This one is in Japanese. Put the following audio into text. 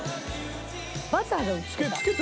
バターをつけた。